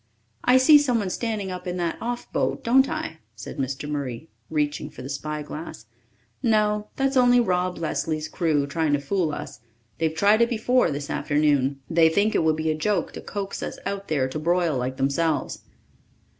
"I see someone standing up in that off boat, don't I?" said Mr. Murray, reaching for the spyglass. "No, that's only Rob Leslie's crew trying to fool us. They've tried it before this afternoon. They think it would be a joke to coax us out there to broil like themselves."